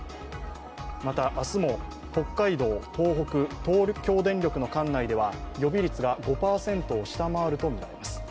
また、明日も北海道、東北、東京電力の管内では予備率が５％を下回るとみられます